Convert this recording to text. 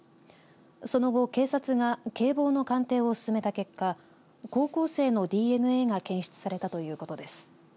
その後警察が警棒の鑑定を進めた結果高校生のＤＮＡが検出されたということです。